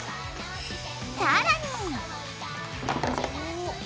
さらに！